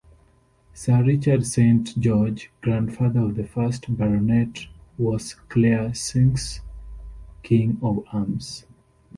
Sir Richard Saint George, grandfather of the first Baronet, was Clarenceux King of Arms.